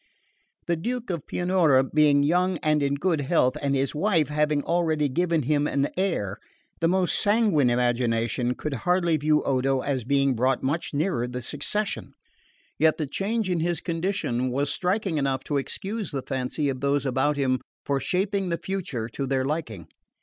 The Duke of Pianura being young and in good health, and his wife having already given him an heir, the most sanguine imagination could hardly view Odo as being brought much nearer the succession; yet the change in his condition was striking enough to excuse the fancy of those about him for shaping the future to their liking.